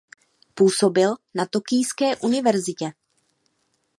Působil na Tokijské univerzitě.